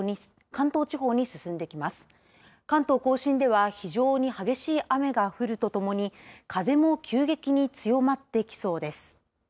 関東甲信では非常に激しい雨が降るとともに、風も急激に強まってきそうです。